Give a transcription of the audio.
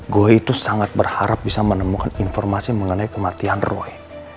gue itu sangat berharap bisa menemukan informasi mengenai kematian roy